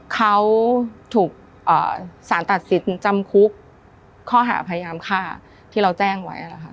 เขาถูกสารตัดสินจำคุกข้อหาพยายามฆ่าที่เราแจ้งไว้นะคะ